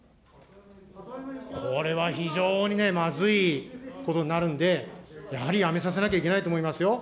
これは非常にね、まずいことになるんで、やはり辞めさせなきゃいけないと思いますよ。